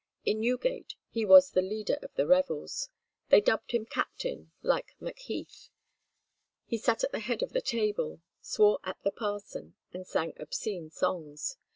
In Newgate he was the leader of the revels: they dubbed him captain, like Macheath; he sat at the head of the table, swore at the parson, and sang obscene songs.